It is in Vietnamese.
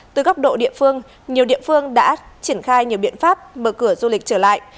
từ góc độ địa phương nhiều địa phương đã triển khai nhiều biện pháp mở cửa du lịch trở lại